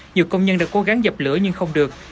nhiều công nhân đã cố gắng dập lửa nhưng không được